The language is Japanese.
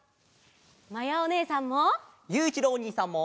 まやおねえさんも！